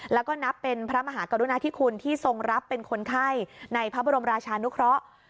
แล้วก็นับเป็นพระมหากรุณาธิคุณที่ทรงรับเป็นคนไข้ในพระบรมราชานุเคราะห์